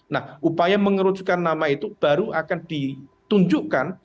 nah upaya mengerucutkan nama itu baru akan ditunjukkan